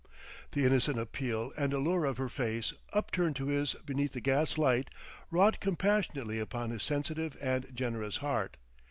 The innocent appeal and allure of her face, upturned to his beneath the gas light, wrought compassionately upon his sensitive and generous heart.